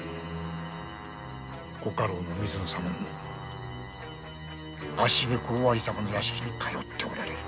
ご家老・水野様も足しげく尾張様の屋敷へ通っておられる。